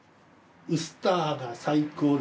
ウスターが最高？